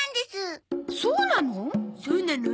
そうなの？